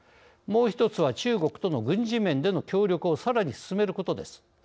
もう１つは中国との軍事面での協力をさらに進めることです。